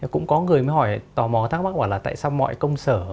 cũng có người mới hỏi tò mò thắc mắc là tại sao mọi công sở